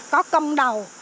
có công đầu